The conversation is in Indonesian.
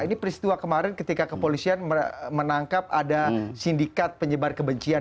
ini peristiwa kemarin ketika kepolisian menangkap ada sindikat penyebar kebencian